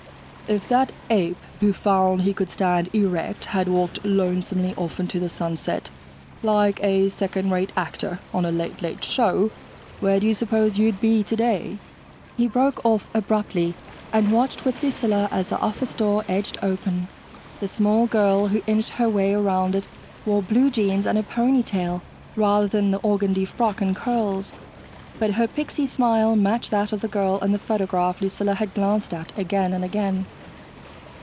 If that ape who found he could stand erect had walked lonesomely off into the sunset like a second rate actor on a late, late show, where do you suppose you'd be today?" He broke off abruptly and watched with Lucilla as the office door edged open. The small girl who inched her way around it wore blue jeans and a pony tail rather than an organdy frock and curls, but her pixie smile matched that of the girl in the photograph Lucilla had glanced at again and again.